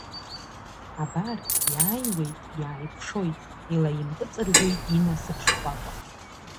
Абар, иааиуеит, иааикәшоит, илаимпыҵыржәоит инасыԥ шкәакәа.